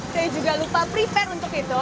saya juga lupa prepare untuk itu